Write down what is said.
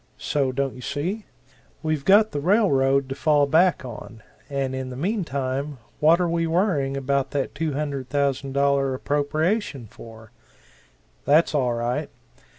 So, don't you see? We've got the rail road to fall back on; and in the meantime, what are we worrying about that $200,000 appropriation for? That's all right.